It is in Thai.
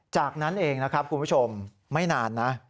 จากนั้นเองนะครับคุณผู้ชมไม่นานนะ